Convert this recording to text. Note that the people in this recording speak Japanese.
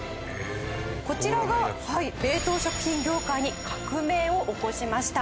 こちらが冷凍食品業界に革命を起こしました。